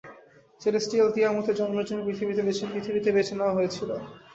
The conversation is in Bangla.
সেলেস্টিয়াল তিয়ামুতের জন্মের জন্য পৃথিবীতে বেছে নেওয়া হয়েছিলো।